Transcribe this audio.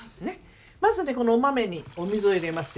まずねこのお豆にお水を入れますよ。